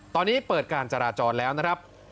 ตอนนี้เปิดการจราจรแล้วนะครับ